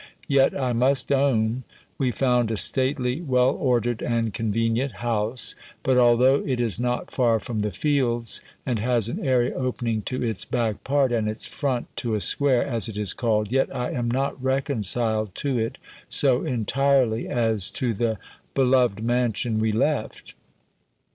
Yet, I must own, we found a stately, well ordered, and convenient house: but, although it is not far from the fields, and has an airy opening to its back part, and its front to a square, as it is called, yet I am not reconciled to it, so entirely as to the beloved mansion we left.